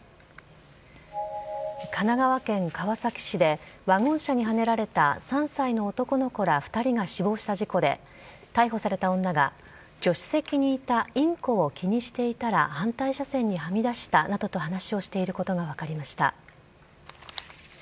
神奈川県川崎市で、ワゴン車にはねられた３歳の男の子ら２人が死亡した事故で、逮捕された女が、助手席にいたインコを気にしていたら反対車線にはみ出したなどと話をしていることが分かりました。